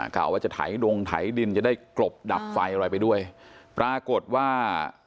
กล่าวว่าจะไถดงไถดินจะได้กลบดับไฟอะไรไปด้วยปรากฏว่า